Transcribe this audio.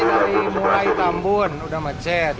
dari mulai tambun udah macet